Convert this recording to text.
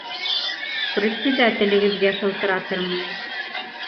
Председателегеҙгә шылтыратырмын.